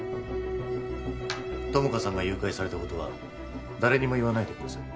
友果さんが誘拐されたことは誰にも言わないでください